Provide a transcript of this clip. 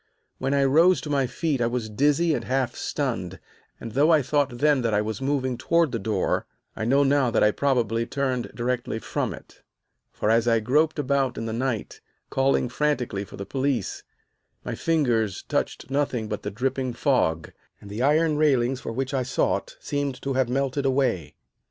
When I rose to my feet I was dizzy and half stunned, and though I thought then that I was moving toward the door, I know now that I probably turned directly from it; for, as I groped about in the night, calling frantically for the police, my fingers touched nothing but the dripping fog, and the iron railings for which I sought seemed to have melted away.